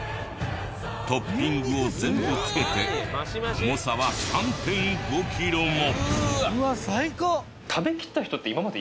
トッピングを全部つけて重さはうわっ最高！